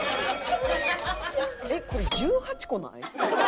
えっこれ１８個ない？